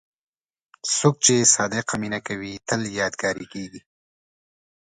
څوک چې صادق مینه کوي، تل یادګاري کېږي.